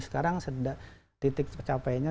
sekarang titik pencapaiannya